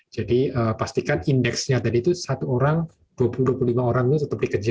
jadi pastikan indeksnya tadi itu satu orang dua puluh dua puluh lima orang itu tetap dikejar